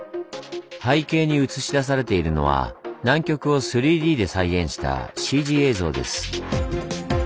背景に映し出されているのは南極を３Ｄで再現したＣＧ映像です。